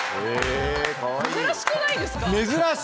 珍しくないですか⁉珍しい！